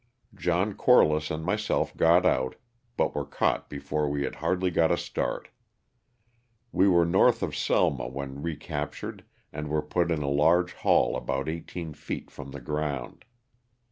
John Corliss and myself got out but were caught before we had hardly got a start. We were north of Selma when re captured and were put in a large hall about eighteen feet from the ground.